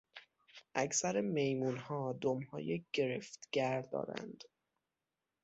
اکثر میمونها دمهای گرفتگر دارند.